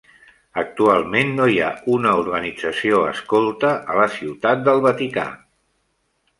Actualment no hi ha una organització escolta a la Ciutat del Vaticà.